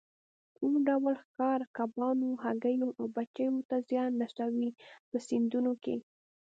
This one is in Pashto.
کوم ډول ښکار کبانو، هګیو او بچیو ته زیان رسوي په سیندونو کې.